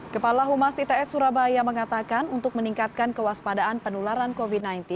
kepala humas its surabaya mengatakan untuk meningkatkan kewaspadaan penularan covid sembilan belas